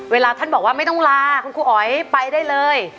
เวลาท่านบอกว่าไม่ต้องลาคุณครูอ๋อยไปได้เลย